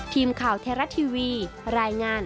ทีมข่าวไทยรัฐทีวีรายงาน